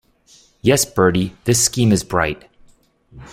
Yes, Bertie, this scheme is bright.